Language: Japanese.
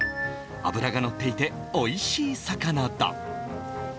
脂が乗っていて、おいしい魚だ。